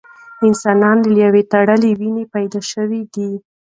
انسان له یوې تړلې وینې پیدا شوی دی.